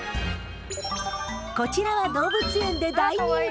こちらは動物園で大人気。